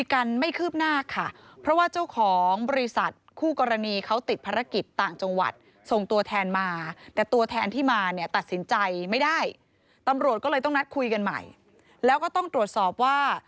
ก็เลยต้องนัดคุยกันใหม่แล้วก็ต้องตรวจสอบว่า